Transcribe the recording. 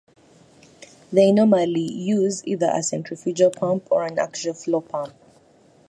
They normally use either a centrifugal pump or an axial flow pump.